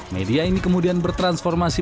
media ini kemudian bertransformasi